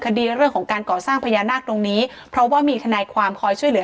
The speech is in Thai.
คดีเรื่องของการก่อสร้างพญานาคตรงนี้เพราะว่ามีทนายความคอยช่วยเหลือ